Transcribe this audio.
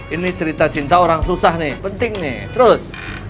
ini cerita cinta orang susah nih penting nih terus